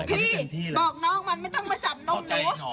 พี่บอกน้องมันไม่ต้องมาจับนมหนู